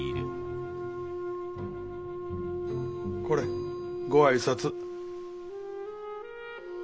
これご挨拶。